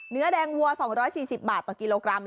เนื้อแดงวัว๒๔๐บาทต่อกิโลกรัม